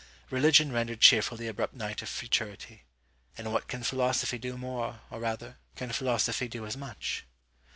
Religion rendered cheerful the abrupt night of futurity; and what can philosophy do more, or rather, can philosophy do as much?